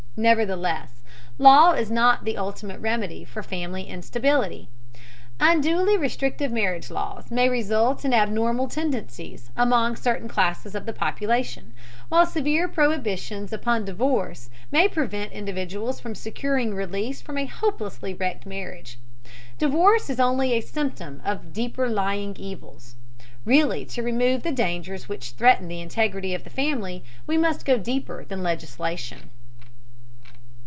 Nevertheless, law is not the ultimate remedy for family instability. Unduly restrictive marriage laws may result in abnormal tendencies among certain classes of the population, while severe prohibitions upon divorce may prevent individuals from securing release from a hopelessly wrecked marriage. Divorce is only a symptom of deeper lying evils. Really to remove the dangers which threaten the integrity of the family we must go deeper than legislation.